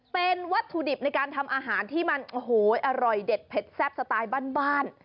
เป็นวัตถุดิบในการทำอาหารที่มันโอ้โหอร่อยเด็ดเผ็ดแซ่บสไตล์บ้าน